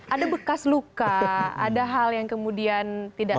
ada bekas luka ada hal yang kemudian tidak